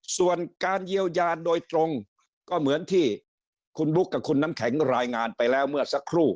ส่วนการเยียวยาโดยตรงก็เหมือนที่คุณบุ๊คกับคุณน้ำแข็งรายงานไปแล้วเมื่อสักครู่